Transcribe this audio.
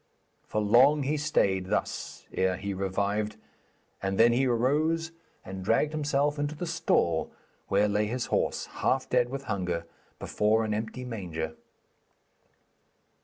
For long he stayed thus ere he revived, and then he rose and dragged himself into the stall where lay his horse, half dead with hunger, before an empty manger.